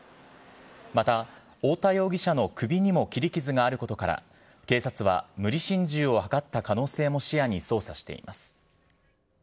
また、太田容疑者の首にも切り傷があることから、警察は、無理心中を図った可能性も視野に捜査しています。